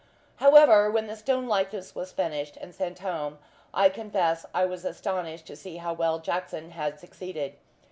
However, when the "stone likeness" was finished and sent home, I confess I was astonished to see how well Jackson had succeeded.